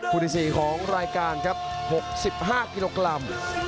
ที่๔ของรายการครับ๖๕กิโลกรัม